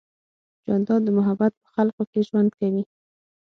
جانداد د محبت په خلقو کې ژوند کوي.